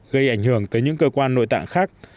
gây ảnh hưởng tới những cơ quan nội tạng khác